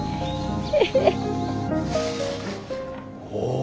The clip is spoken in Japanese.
お。